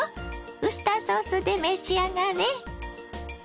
ウスターソースで召し上がれ！